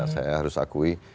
saya harus akui